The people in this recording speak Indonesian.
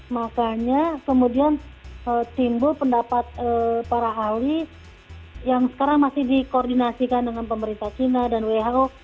makanya kemudian timbul pendapat para ahli yang sekarang masih dikoordinasikan dengan pemerintah china dan who